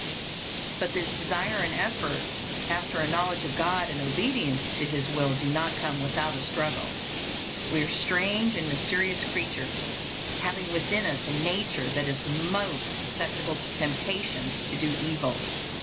But this desire and effort after a knowledge of God and obedience to His will do not come without a struggle. We are strange and mysterious creatures, having within us a nature that is most susceptible to temptations, to do evil.